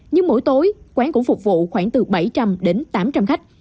nhưng mỗi tối quán cũng phục vụ khoảng từ bảy trăm linh đến tám trăm linh khách